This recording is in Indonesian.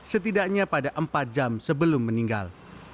setidaknya pada empat jam sebelum meninggal